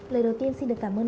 lời đầu tiên xin được cảm ơn